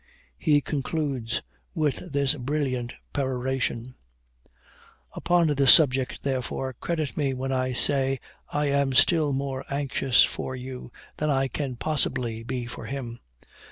He concludes with this brilliant peroration: "Upon this subject, therefore, credit me when I say I am still more anxious for you than I can possibly be for him.